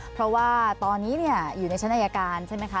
เพราะว่าตอนนี้อยู่ในชั้นอายการใช่ไหมคะ